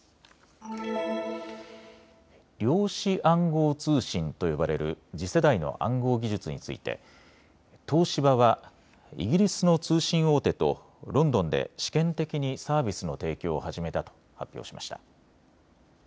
量子暗号通信と呼ばれる次世代の暗号技術について東芝はイギリスの通信大手とロンドンで試験的にサービスの提供を始めたと発表しました。